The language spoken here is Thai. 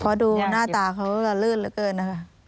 เพราะดูหน้าตาเขาจะลื่นเหลือเกินนะคะ